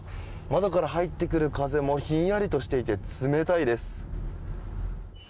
窓から入ってくる風もひんやりとしていて冷たいです。